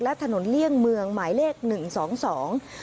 และถนนเลี่ยงเมืองหมายเลขหนึ่งสองสอง